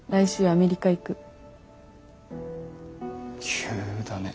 急だね。